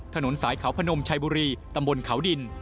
ถนนสายเขาพนมชัยบุรีตำบลเขาดิน